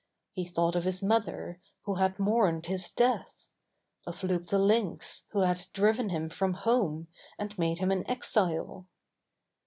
He thought of his mother, who had mourned his death — of Loup the Lynx, who had driven him from home, and made him an exile.